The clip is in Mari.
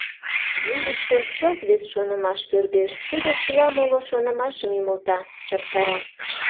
Вуйышто чылт вес шонымаш пӧрдеш, тудо чыла моло шонымашым ӱмылта, чактара...